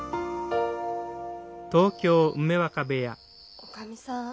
おかみさん